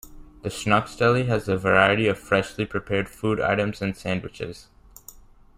The Schnucks Deli has a variety of freshly prepared food items and sandwiches.